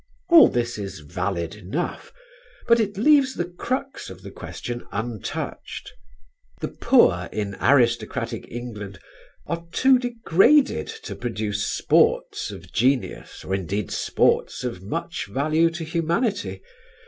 All this is valid enough; but it leaves the crux of the question untouched. The poor in aristocratic England are too degraded to produce "sports" of genius, or indeed any "sports" of much value to humanity.